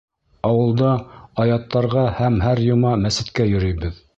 Ауылда аяттарға һәм һәр йома мәсеткә йөрөйбөҙ.